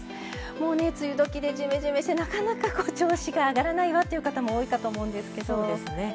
もうね、梅雨時で、じめじめしてなかなか調子が上がらないわって方も多いかと思うんですけど。